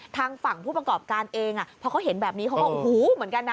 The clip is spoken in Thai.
ทางฝั่งผู้ประกอบการเองพอเขาเห็นแบบนี้เขาก็โอ้โหเหมือนกันนะ